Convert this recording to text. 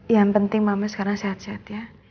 yang penting mama sekarang sehat sehat ya